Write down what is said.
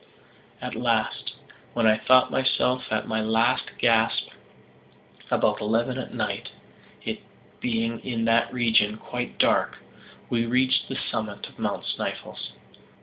At last, when I thought myself at my last gasp, about eleven at night, it being in that region quite dark, we reached the summit of Mount Sneffels!